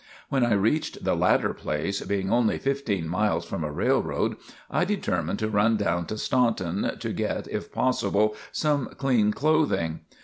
When I reached the latter place, being only fifteen miles from a railroad, I determined to run down to Staunton to get, if possible, some clean clothing.